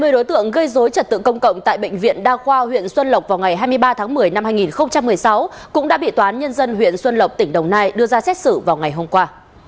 hai mươi đối tượng gây dối trật tự công cộng tại bệnh viện đa khoa huyện xuân lộc vào ngày hai mươi ba tháng một mươi năm hai nghìn một mươi sáu cũng đã bị toán nhân dân huyện xuân lộc tỉnh đồng nai đưa ra xét xử vào ngày hôm qua